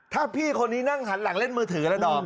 ถ้าพี่คนนี้นั่งหันหลังเล่นมือถือแล้วดอม